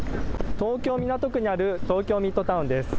東京・港区にある東京ミッドタウンです。